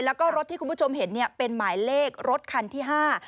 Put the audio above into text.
แล้วก็รถที่คุณผู้ชมเห็นเนี่ยเป็นหมายเลขรถคันที่ห้า